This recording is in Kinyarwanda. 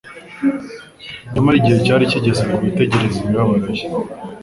nyamara igihe cyari kigeze ngo bitegereze imibabaro ye.